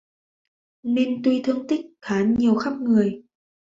Nên tuy thương tích khá nhiều khắp người